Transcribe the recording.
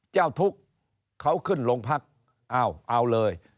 เจ้าทุกข์เขาขึ้นโรงพักเอาเอาเลย